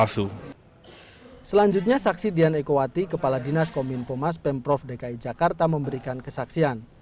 selanjutnya saksi dian ekoati kepala dinas komin foma spam prof dki jakarta memberikan kesaksian